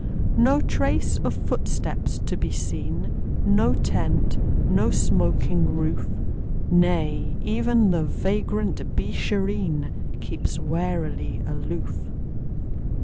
No trace of footsteps to be seen, No tent, no smoking roof; Nay, even the vagrant Beeshareen Keeps warily aloof.